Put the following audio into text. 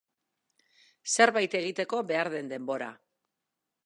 Zerbait egiteko behar den denbora.